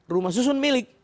rumah susun milik